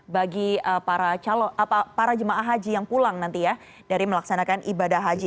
bagi para jemaah haji yang pulang nanti ya dari melaksanakan ibadah haji